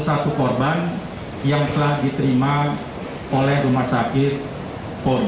dan empat puluh satu korban yang telah diterima oleh rumah sakit polri